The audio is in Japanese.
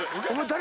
誰？